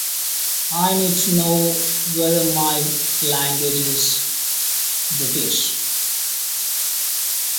I had not one.